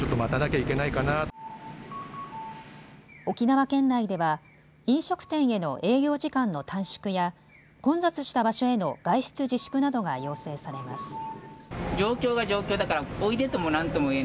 沖縄県内では飲食店への営業時間の短縮や混雑した場所への外出自粛などが要請されます。